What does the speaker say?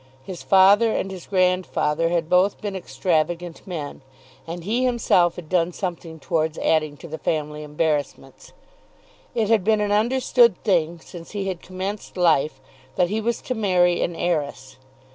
His father and his grandfather had both been extravagant men, and he himself had done something towards adding to the family embarrassments. It had been an understood thing, since he had commenced life, that he was to marry an heiress.